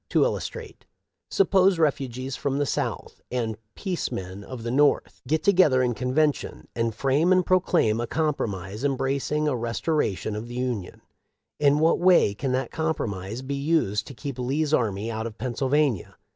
To illustrate : suppose refugees from the South, and peace men of the North, get together in convention and frame and proclaim a compromise embracing a restoration of the Union ; in what way can that compromise be used to keep Lee's army out of Pennsylvania